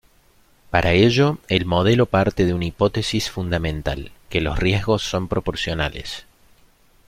Para ello, el modelo parte de una hipótesis fundamental: que los riesgos son proporcionales.